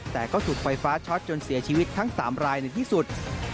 แต่ก็ถูกไฟฟ้าช็อตจนเสียชีวิตทั้ง๓รายในที่สุด